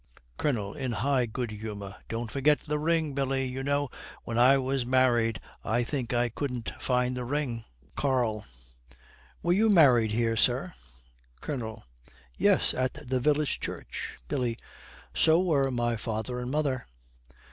"' COLONEL, in high good humour, 'Don't forget the ring, Billy. You know, when I was married I think I couldn't find the ring!' KARL. 'Were you married here, sir?' COLONEL. 'Yes, at the village church.' BILLY. 'So were my father and mother.'